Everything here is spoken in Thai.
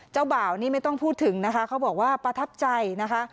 บ่าวนี่ไม่ต้องพูดถึงนะคะเขาบอกว่าประทับใจนะคะ